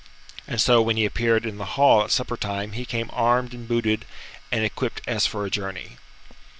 And so when he appeared in the hall at suppertime, he came armed and booted, and equipped as for a journey.